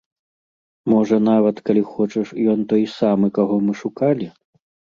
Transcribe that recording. Можа, нават, калі хочаш, ён той самы, каго мы шукалі?